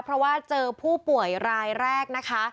เพราะว่าเจอผู้ป่วยรายแรกนะคะ